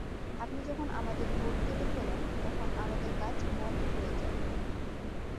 আপনি যখন আমাদের ঢোল কেটে ফেলেন, তখন আমাদের কাজ বন্ধ হয়ে যায়।